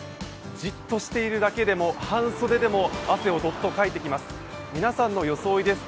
じっとしているだけでも、半袖でも汗をどっとかいてきます。